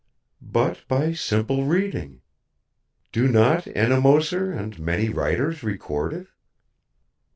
"But by simple reading! Do not Ennemoser and many writers record it?"